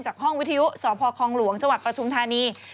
จากห้องวิทยุสพคหลวงจกธานี